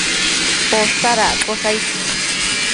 Posadaccosh aid